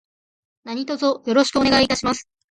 何卒よろしくお願いいたします。